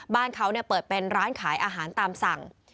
บ้านเขาเปิดเป็นร้านขายอาหารตามสั่ง